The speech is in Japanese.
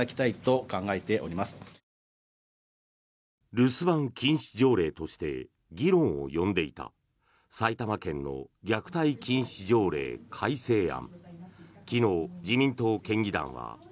留守番禁止条例として議論を呼んでいた埼玉県の虐待防止条例改正案。